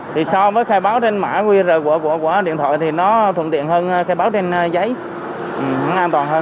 thì so với khai báo trên mã qr của điện thoại thì nó thuận tiện hơn khai báo trên giấy nó an toàn hơn